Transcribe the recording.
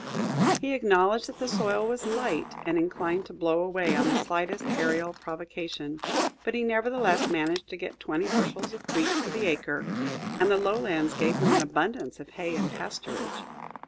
He acknowledged that the soil was light, and inclined to blow away on the slightest aerial provocation, but he nevertheless managed to get twenty bushels of wheat to the acre, and the lowlands gave him an abundance of hay and pasturage.